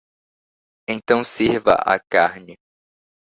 Então sirva a carne.